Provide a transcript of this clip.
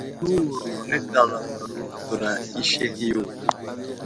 Nəwuro nəɗalaŋwaro bəra i aseh yo.